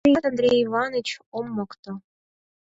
Тыйымат, Андрей Иваныч, ом мокто.